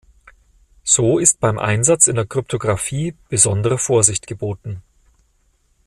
So ist beim Einsatz in der Kryptographie besondere Vorsicht geboten.